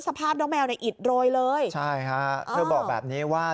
สภาพน้องแมวในอิตรอยเลยใช่ค่ะเธอบอกแบบนี้ว่า